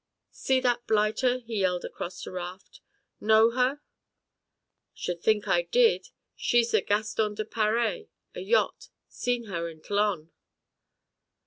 "See that blighter," he yelled across to Raft. "Know her?" "Should think I did, she's the Gaston de Paree a yacht seen her in T'lon."